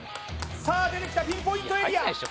さあ出てきたピンポイントエリア